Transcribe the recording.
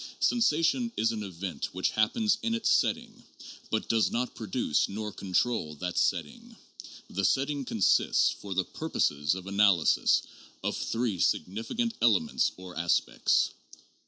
Sensation is an event which happens in its setting, but does not produce nor control that setting. The setting consists, for the purposes of analysis, of three significant elements or aspects.